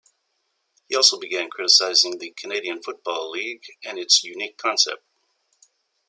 He also began criticizing the Canadian Football League, and its unique concept.